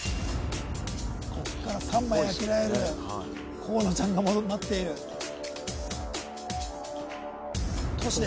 ここから３枚開けられる河野ちゃんが待っている都市です